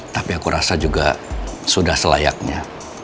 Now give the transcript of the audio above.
tapi aku rasa juga sudah selayaknya